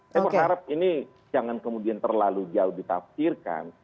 saya berharap ini jangan kemudian terlalu jauh ditafsirkan